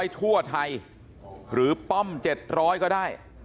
ทั่วไทยหรือป้อม๗๐๐ก็ได้